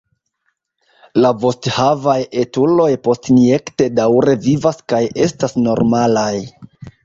La vosthavaj etuloj postinjekte daŭre vivas kaj estas normalaj.